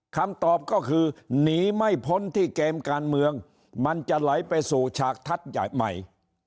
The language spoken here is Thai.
คำตอบก็คือหนีไม่พ้นที่เกมการเมืองมันจะไหลไปสู่ฉากทัศน์ใหม่